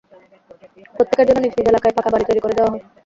প্রত্যেকের জন্য নিজ নিজ এলাকায় পাকা বাড়ি তৈরি করে দেওয়া হয়।